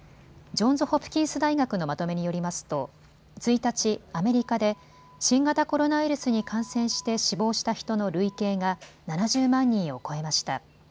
ジョンズ・ホプキンス大学のまとめによりますと１日、アメリカで新型コロナウイルスに感染して死亡した人の累計が７０万人を超えました。